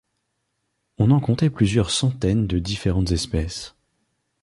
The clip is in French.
On en comptait plusieurs centaines de différentes espèces.